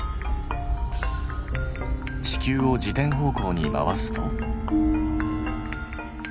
地球を自転方向に回すと。